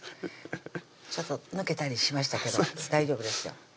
ちょっと抜けたりしましたけど大丈夫ですよ